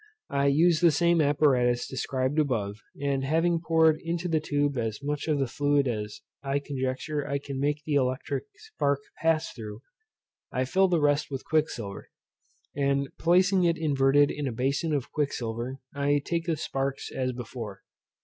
I use the same apparatus described above, and having poured into the tube as much of the fluid as I conjecture I can make the electric spark pass through, I fill the rest with quicksilver; and placing it inverted in a bason of quicksilver, I take the sparks as before.